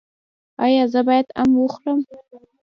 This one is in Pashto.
ایا زه باید ام وخورم؟